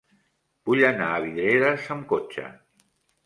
Vull anar a Vidreres amb cotxe.